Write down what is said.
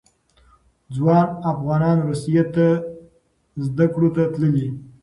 ځوان افغانان روسیې ته زده کړو ته تللي.